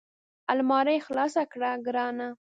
المارۍ خلاصه کړه ګرانه !